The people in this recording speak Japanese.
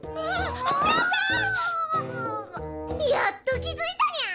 やっと気付いたニャ。